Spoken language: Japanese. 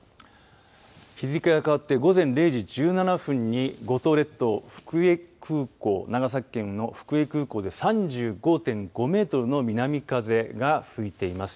日付が変わって午前０時１７分に五島列島、福江空港長崎県の福江空港で３５．５メートルの南風が吹いています。